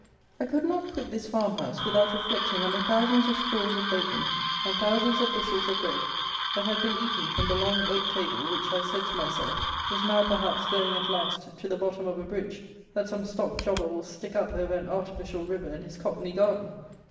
I could not quit this farmhouse without reflecting on the thousands of scores of bacon and thousands of bushels of bread that had been eaten from the long oak table which, I said to myself, is now perhaps, going at last, to the bottom of a bridge that some stock jobber will stick up over an artificial river in his cockney garden.